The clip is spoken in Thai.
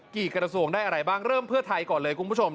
กระทรวงได้อะไรบ้างเริ่มเพื่อไทยก่อนเลยคุณผู้ชม